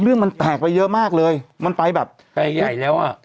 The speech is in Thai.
เรื่องมันแตกไปเยอะมากเลยมันไปแบบไปใหญ่แล้วอ่ะ